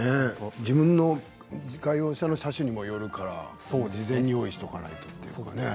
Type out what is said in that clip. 自分の自家用車の車種にもよるから事前に用意しておかないとですね。